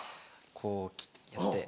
こうやって。